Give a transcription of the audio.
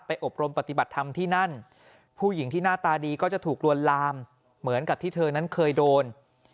อบรมปฏิบัติธรรมที่นั่นผู้หญิงที่หน้าตาดีก็จะถูกลวนลามเหมือนกับที่เธอนั้นเคยโดน